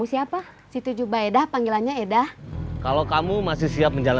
istri belum selesai